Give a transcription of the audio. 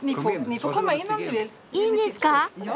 いいんですか！？